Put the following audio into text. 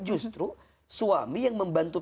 justru suami yang membantu